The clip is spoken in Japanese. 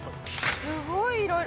すごい色々。